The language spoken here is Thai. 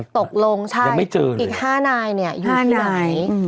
ตกลงใช่อีก๕นายอยู่ที่วันนี้